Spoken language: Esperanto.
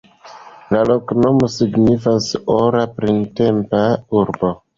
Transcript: La loknomo signifas: "ora printempa urbo".